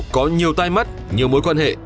có nhiều tai mắt nhiều mối quan hệ